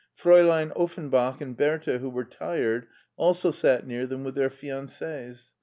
Fraulein Offenbach and Bertha, who were tired, also sat near them with their fiances.